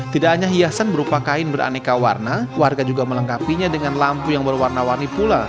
tidak hanya hiasan berupa kain beraneka warna warga juga melengkapinya dengan lampu yang berwarna warni pula